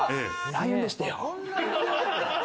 ライオンでしたよ。